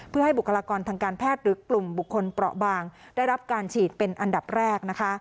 เพื่อให้บุคลากรทางการแพทย์หรือกลุ่มบุคคลเปราะบางได้รับการฉีดเป็นอันดับแรกนะคะ